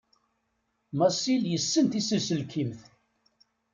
Masil yessen tisenselkimt.